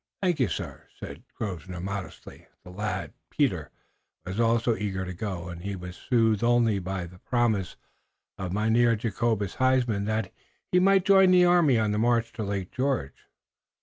"Thank you, sir," said Grosvenor, modestly. The lad, Peter, was also eager to go, and he was soothed only by the promise of Mynheer Jacobus Huysman that he might join the army on the march to Lake George.